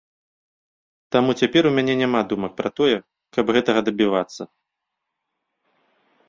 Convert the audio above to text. Таму цяпер у мяне няма думак пра тое, каб гэтага дабівацца.